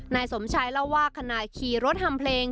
นายสมชัยเล่าว่าขณะขี่รถทำเพลง